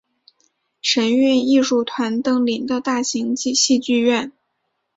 神韵艺术团登临的大型戏剧院。